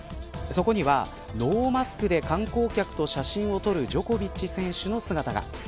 そこには、ノーマスクで観光客たちと写真を撮るジョコビッチ選手の姿が。